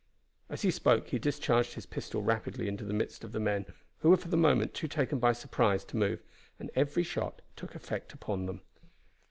As he spoke he discharged his pistol rapidly into the midst of the men, who were for the moment too taken by surprise to move, and every shot took effect upon them.